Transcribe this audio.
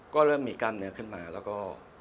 ก็เริ่มมีกล้ามเนื้อขึ้นมาแล้วก็